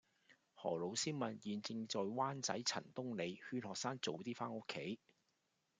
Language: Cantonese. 何老師問現正在灣仔陳東里勸學生早啲返屋企